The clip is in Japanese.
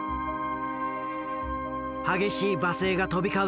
激しい罵声が飛び交う